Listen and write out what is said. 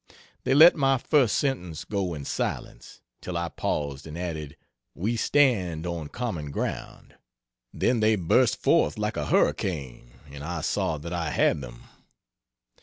They let my first sentence go in silence, till I paused and added "we stand on common ground" then they burst forth like a hurricane and I saw that I had them!